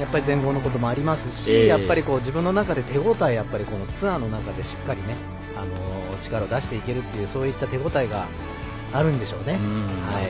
やっぱり全豪のこともありますし、自分の中で手応え、ツアーの中でしっかり力を出していけるというそういった手応えがあるんでしょうね。